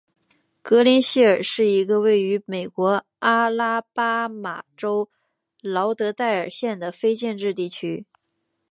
格林希尔是一个位于美国阿拉巴马州劳德代尔县的非建制地区。